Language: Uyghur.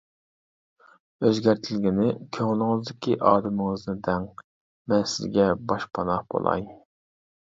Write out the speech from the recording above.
ئۆزگەرتىلگىنى: كۆڭلىڭىزدىكى ئادىمىڭىزنى دەڭ، مەن سىزگە باشپاناھ بولاي.